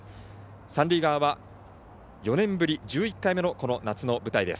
三塁側は、４年ぶり１１回目の夏の舞台です